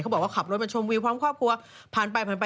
เขาบอกว่าขับรถมาชมวิวพร้อมความความภูมิผ่านไป